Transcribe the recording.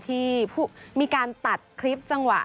ที่มีการตัดคลิปจังหวะ